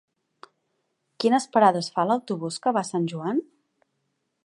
Quines parades fa l'autobús que va a Sant Joan?